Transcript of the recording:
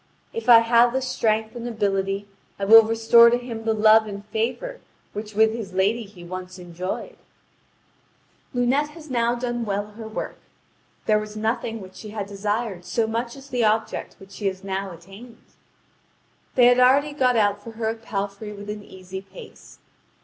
If I have the strength and ability, I will restore to him the love and favour which with his lady he once enjoyed." (Vv. 6659 6716.) Lunete has now done well her work; there was nothing which she had desired so much as the object which she had now attained. They had already got out for her a palfrey with an easy pace.